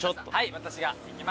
私がいきます。